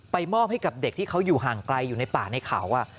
มอบให้กับเด็กที่เขาอยู่ห่างไกลอยู่ในป่าในเขา